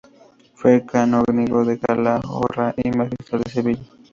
Fue canónigo de Calahorra y magistral de Sevilla.